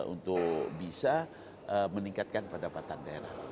untuk bisa meningkatkan pendapatan daerah